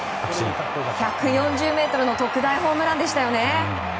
１４０ｍの特大ホームランでしたよね。